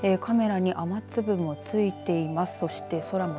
カメラに雨粒が付いています。